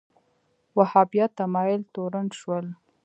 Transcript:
وهابیت تمایل تورن شول